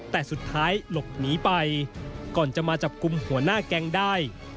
แต่สุดท้ายหลบหนีไปก่อนจะมาจับกลุ่มหัวหน้าแก๊งได้